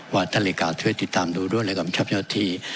ว่าท่านริกาเธอติดตามดูด้วยและกำชับเฉพาะที่